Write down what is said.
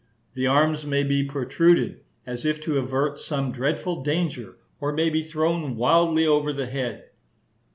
The arms may be protruded, as if to avert some dreadful danger, or may be thrown wildly over the head.